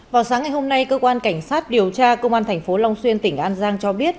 vào sáng ngày hôm nay cơ quan cảnh sát điều tra công an thành phố long xuyên tỉnh an giang cho biết